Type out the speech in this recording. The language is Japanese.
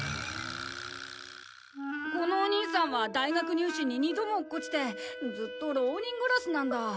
このお兄さんは大学入試に２度も落っこちてずっと浪人暮らしなんだ。